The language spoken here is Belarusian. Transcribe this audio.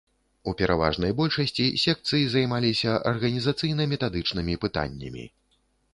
У пераважнай большасці секцыі займаліся арганізацыйна-метадычнымі пытаннямі.